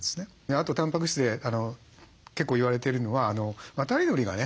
あとたんぱく質で結構言われているのは渡り鳥がね